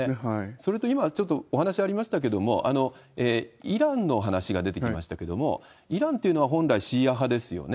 それと今、ちょっとお話ありましたけれども、イランの話が出てきましたけれども、イランというのは本来、シーア派ですよね。